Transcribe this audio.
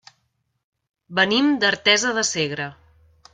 Venim d'Artesa de Segre.